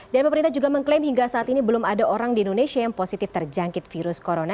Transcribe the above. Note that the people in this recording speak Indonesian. dan pemerintah juga mengklaim hingga saat ini belum ada orang di indonesia yang positif terjangkit virus corona